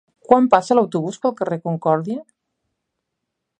Quan passa l'autobús pel carrer Concòrdia?